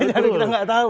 jadi kita gak tau